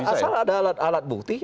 asal ada alat alat bukti